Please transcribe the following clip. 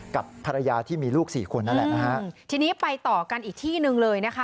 กับภรรยาที่มีลูกสี่คนนั่นแหละนะฮะทีนี้ไปต่อกันอีกที่หนึ่งเลยนะคะ